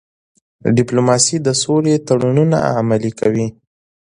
ډيپلوماسي د سولې تړونونه عملي کوي.